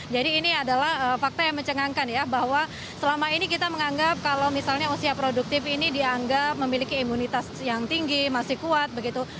jadi ini adalah fakta yang mencengangkan ya bahwa selama ini kita menganggap kalau misalnya usia produktif ini dianggap memiliki imunitas yang tinggi masih kuat begitu